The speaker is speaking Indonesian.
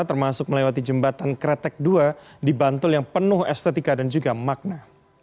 termasuk melewati jembatan kretek ii di bantul yang penuh estetika dan juga makna